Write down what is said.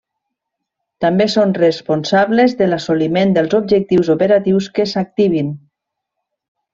També són responsables de l'assoliment dels objectius operatius que s'activin.